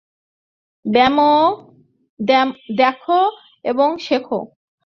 দ্যাখো এবং শেখো।